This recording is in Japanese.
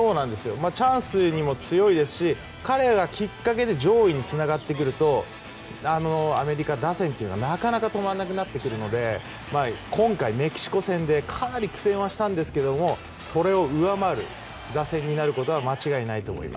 チャンスに強いですし彼ら、きっかけで上位につながってくるとアメリカ打線はなかなか止まらなくなってくるので今回、メキシコ戦でかなり苦戦はしたんですけどそれを上回る打線になることは間違いないと思います。